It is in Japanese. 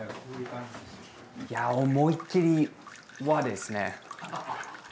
いや思いっきり和ですね。